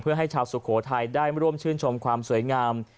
เพื่อให้ชาวสุโขทัยได้ร่วมชื่นชมความสวยงาม